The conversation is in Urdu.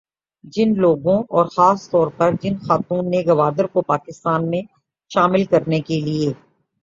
جن لوگوں اور خاص طور پر جن خاتون نے گوادر کو پاکستان میں شامل کرنے کے لیے